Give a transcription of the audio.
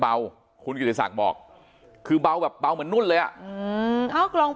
เบาคุณกิติศักดิ์บอกคือเบาแบบเบาเหมือนนุ่นเลยอ่ะอืมเอากล่อง